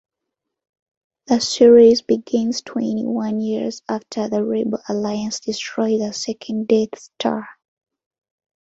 The series begins twenty-one years after the Rebel Alliance destroyed the second Death Star.